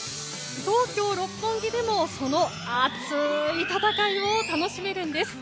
東京・六本木でもその熱い戦いを楽しめるんです。